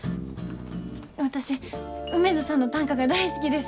私梅津さんの短歌が大好きです。